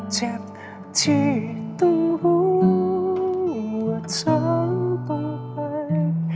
เจ็บที่ต้องรู้ว่าเขาคือคนใหม่